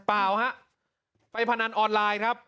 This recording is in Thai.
เปล่าฮะไปพนันออนไลน์ครับ